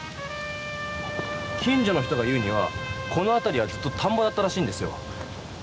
近所の人が言うにはこのあたりはずっと田んぼだったらしいんですよ。